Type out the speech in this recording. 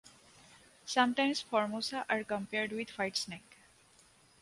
Sometimes Formosa are compared with Whitesnake.